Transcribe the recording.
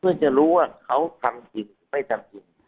เพื่อจะรู้ว่าเขาทำจริงหรือไม่ทำจริง